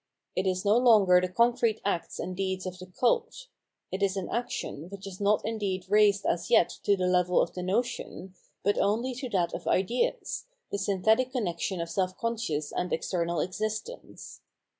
It is no longer the concrete acts and deeds of the cult; it is an action which is not indeed raised as yet to the level of the notion, but only to that of ideas, the synthetic connection of self conscious and external existence.